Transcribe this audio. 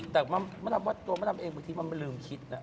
แต่มะดำว่าตัวมะดำเองบางทีมันลืมคิดนะ